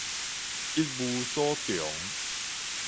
一無所長